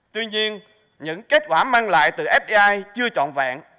tuy nhiên những kết quả mang lại từ fdi chưa trọn vẹn